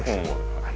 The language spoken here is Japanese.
はい。